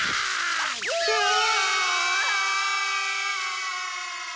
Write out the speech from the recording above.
うわ！